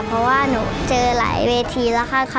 เพราะว่าหนูเจอหลายเวทีแล้วค่ะ